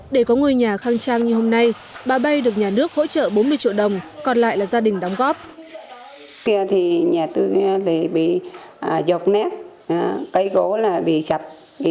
để có ngôi nhà khang trang như hôm nay bà bay được nhà nước hỗ trợ bốn mươi triệu đồng còn lại là gia đình đóng góp